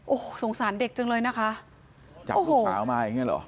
โอ้โหสงสารเด็กจังเลยนะคะจับลูกสาวมาอย่างเงี้เหรอ